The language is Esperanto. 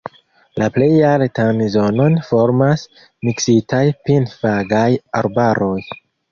La plej altan zonon formas miksitaj pin-fagaj arbaroj.